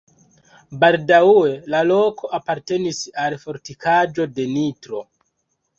Baldaŭe la loko apartenis al fortikaĵo de Nitro.